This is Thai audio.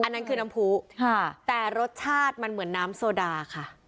อันนั้นคือน้ำผู้ค่ะแต่รสชาติมันเหมือนน้ำโซดาค่ะ